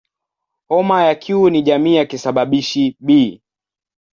Homa ya Q ni jamii ya kisababishi "B".